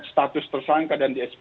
status tersangka dan di sp